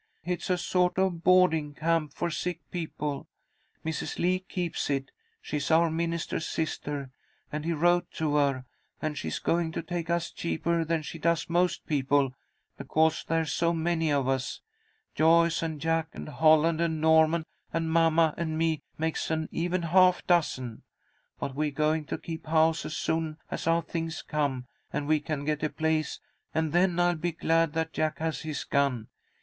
It's a sort of boarding camp for sick people. Mrs. Lee keeps it. She's our minister's sister, and he wrote to her, and she's going to take us cheaper than she does most people, because there's so many of us. Joyce and Jack and Holland and Norman and mamma and me makes an even half dozen. But we're going to keep house as soon as our things come and we can get a place, and then I'll be glad that Jack has his gun.